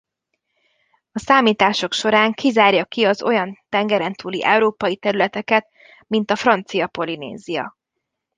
A számítások során kizárja ki az olyan tengerentúli európai területeket mint a Francia Polinézia.